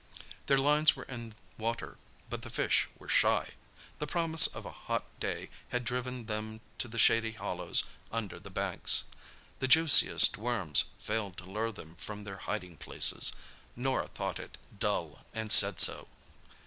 Their lines were in water, but the fish were shy. The promise of a hot day had driven them to the shady hollows under the banks. The juiciest worms failed to lure them from their hiding places. Norah thought it dull and said so.